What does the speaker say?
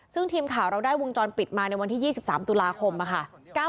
ซึ่งทีมข่าวเราได้วงจรปิดมาในวันที่๒๓ตุลาคมค่ะ